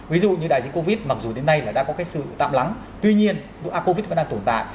ví dụ như đại dịch covid mặc dù đến nay là đã có cái sự tạm lắng tuy nhiên covid vẫn đang tồn tại